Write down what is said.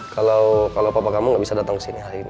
kalau papa kamu gak bisa datang kesini hari ini